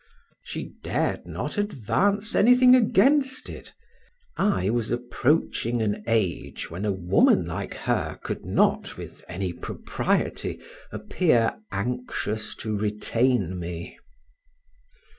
She dared not advance anything against it; I was approaching an age when a woman like her could not, with any propriety, appear anxious to retain me.